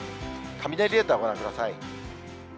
雷レーダーをご覧ください。